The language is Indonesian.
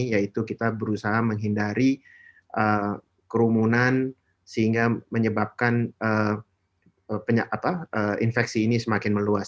yaitu kita berusaha menghindari kerumunan sehingga menyebabkan infeksi ini semakin meluas